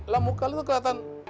lah muka lo tuh keliatan